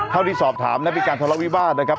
คราวที่สอบถามนะไปกรรตรวัสวิบาสนะครับ